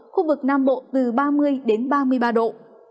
khu vực nam bộ từ ba mươi đến ba mươi ba độ